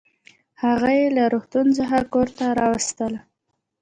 هغه يې له روغتون څخه کورته راوستله